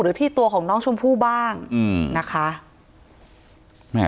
ที่ตัวของน้องชมพู่บ้างนะคะ